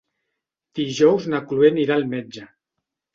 Dijous na Cloè anirà al metge.